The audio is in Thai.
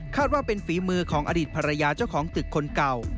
ว่าเป็นฝีมือของอดีตภรรยาเจ้าของตึกคนเก่า